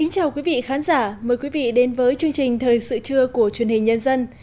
chào mừng quý vị đến với chương trình thời sự trưa của truyền hình nhân dân